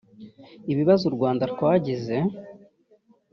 Ibibazo u Rwanda twagize